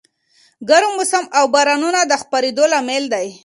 ګرم موسم او بارانونه د خپرېدو لامل دي.